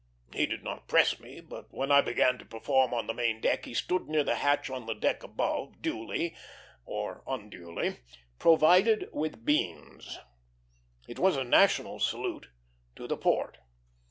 He did not press me, but when I began to perform on the main deck he stood near the hatch on the deck above, duly or unduly provided with beans. It was a national salute; to the port.